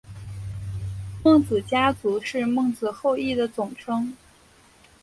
孟子家族是孟子后裔的总称。